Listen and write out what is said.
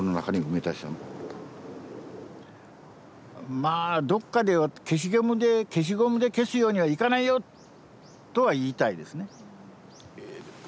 まあどっかで「消しゴムで消すようにはいかないよ」とは言いたいですね